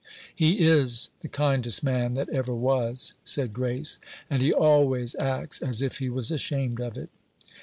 "He is the kindest man that ever was," said Grace; "and he always acts as if he was ashamed of it."